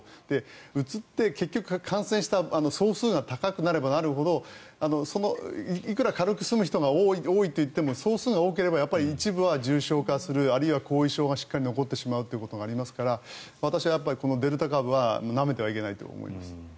うつって結局感染した総数が高くなればなるほどいくら軽く済む人が多いとはいっても総数が多ければ一部は重症化するあるいは後遺症がしっかり残ってしまうということがありますから私はデルタ株はなめてはいけないと思います。